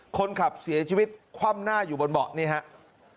คนขับเสียชีวิตคว่ำหน้าอยู่บนเบาะนี่ครับ